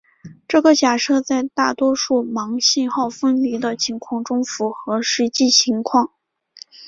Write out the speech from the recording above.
这个假设在大多数盲信号分离的情况中符合实际情况。